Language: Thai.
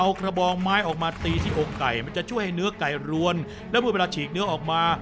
เอากระบองไม้ออกมาตีที่อกไก่มันจะช่วยให้เนื้อไก่รวนและเมื่อเวลาฉีกเนื้อออกมา